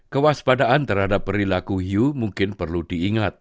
kewaspadaan terhadap perilaku hiu mungkin perlu diingat